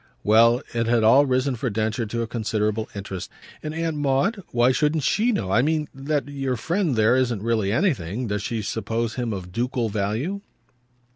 Well, it had all risen for Densher to a considerable interest. "And Aunt Maud why shouldn't SHE know? I mean that your friend there isn't really anything. Does she suppose him of ducal value?"